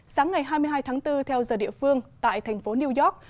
sáng ngày hai mươi hai tháng bốn theo giờ địa phương tại thành phố new york